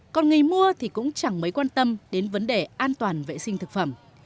còn người mua thì cũng chẳng mấy quan tâm đến vấn đề an toàn vệ sinh thực phẩm